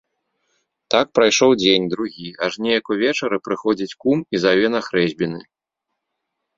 Так прайшоў дзень, другі, аж неяк увечары прыходзіць кум і заве на хрэсьбіны.